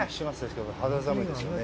肌寒いですよね。